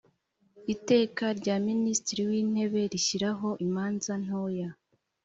iteka rya minisitiri w intebe rishyiraho imanza ntoya